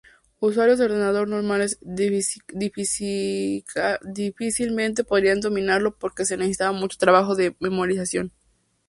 Usuarios de ordenador normales difícilmente podrían dominarlo porque se necesita mucho trabajo de memorización.